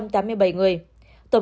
tổng kết thúc